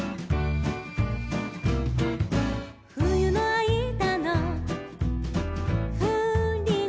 「ふゆのあいだのふうりん」